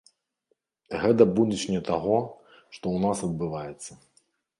Гэта будучыня таго, што ў нас адбываецца.